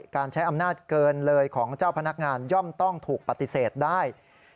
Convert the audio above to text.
การใช้อำนาจเกินเลยของเจ้าพนักงานย่อมต้องถูกปฏิเสธได้